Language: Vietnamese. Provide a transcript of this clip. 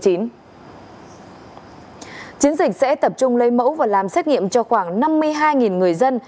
chiến dịch sẽ tập trung lấy mẫu và làm xét nghiệm cho khoảng năm mươi hai người dân